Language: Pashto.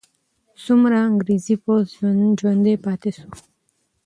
څومره انګریزي پوځ ژوندی پاتې سو؟